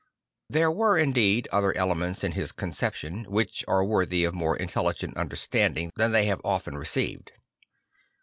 There were indeed other elements in his conception, which are worthy of more intelligent understanding than they have often received.